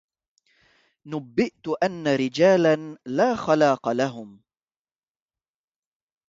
نبئت أن رجالا لا خلاق لهم